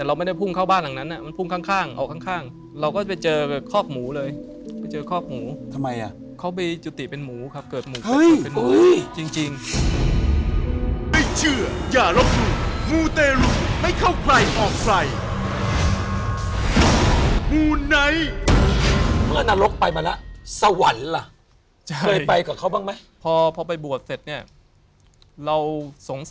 ประมาณว่าอยู่คอนโดก็อยู่มาวันนึง